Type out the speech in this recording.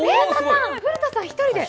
古田さん、１人で。